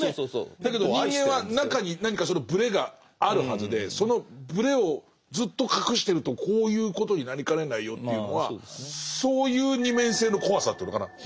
だけど人間は中にブレがあるはずでそのブレをずっと隠してるとこういうことになりかねないよというのはそういう二面性の怖さというのかな。